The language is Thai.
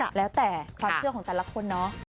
แล้วแต่ความเชื่อของแต่ละคนเนาะ